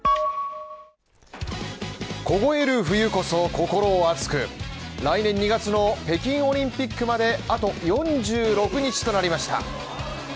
凍える冬こそ心を熱く、来年２月の北京オリンピックまであと４６日となりました。